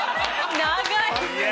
◆長い。